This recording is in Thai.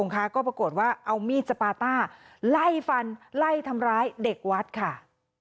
ก็ปรากฏว่าเอามีดสปาต้าไล่ฟันไล่ทำร้ายเด็กวัดค่ะ